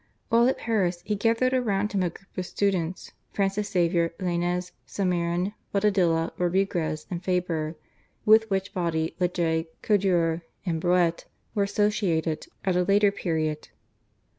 While at Paris he gathered around him a group of students, Francis Xavier, Lainez, Salmeron, Bodadilla, Rodriguez and Faber, with which body Lejay, Codure and Broet were associated at a later period.